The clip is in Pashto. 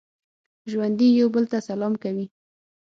ژوندي یو بل ته سلام کوي